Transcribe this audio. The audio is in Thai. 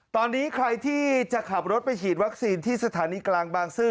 ตอนนี้ใครที่จะขับรถไปฉีดวัคซีนที่สถานีกลางบางซื่อ